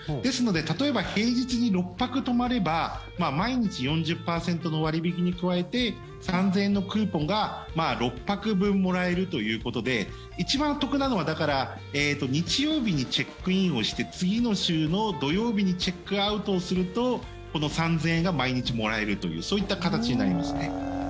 ですので例えば平日に６泊泊まれば毎日４０％の割引に加えて３０００円のクーポンが６泊分もらえるということで一番得なのは日曜日にチェックインをして次の週の土曜日にチェックアウトをするとこの３０００円が毎日もらえるというそういった形になりますね。